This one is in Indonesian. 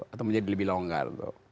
atau menjadi lebih longgar